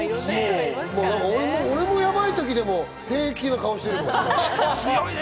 俺もヤバい時でも、平気な顔してるもんね。